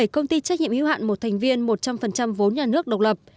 bảy công ty trách nhiệm hữu hạn một thành viên một trăm linh vốn nhà nước độc lập